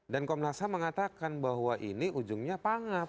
dan komnas ham mengatakan bahwa ini ujungnya pangap